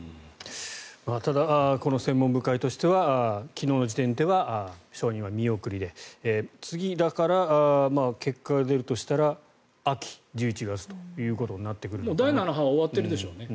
ただ、専門部会としては昨日の時点では承認は見送りで次、だから、結果が出るとしたら秋、１１月ということになってくるんですね。